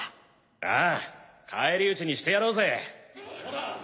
ああ返り討ちにしてやろうぜ。